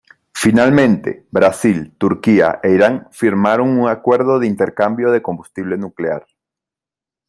Finalmente, Brasil, Turquía e Irán firmaron un acuerdo de intercambio de combustible nuclear.